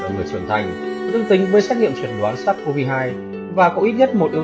người trưởng thành dương tính với xét nghiệm chuẩn đoán sars cov hai và có ít nhất một yếu